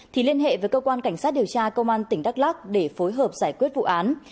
thì liên hệ với cơ quan cảnh sát điều tra công an tỉnh đắk lắc để phối hợp giải quyết vụ án